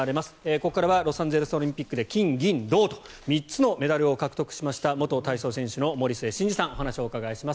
ここからはロサンゼルスオリンピックで金、銀、銅と３つのメダルを獲得した元体操選手の森末慎二さんにお話をお伺いします。